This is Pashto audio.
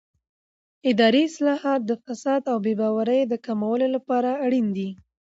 اداري اصلاحات د فساد او بې باورۍ د کمولو لپاره اړین دي